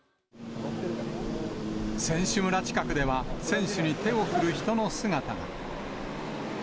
選手村近くでは選手に手を振る人の姿が。